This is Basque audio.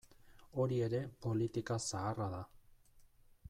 Hori ere politika zaharra da.